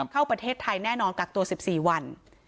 เข้าประเทศไทยแน่นอนกักตัว๑๔วัน